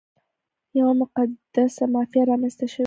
یوه مقدسه مافیا رامنځته شوې ده.